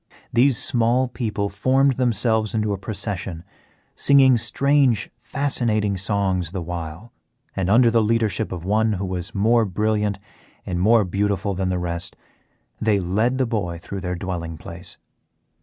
These small people formed themselves into a procession, singing strange fascinating songs the while, and under the leadership of one who was more brilliant and more beautiful than the rest they led the boy through their dwelling place.